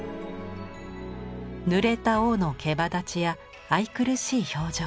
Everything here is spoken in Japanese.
ぬれた尾のけばだちや愛くるしい表情。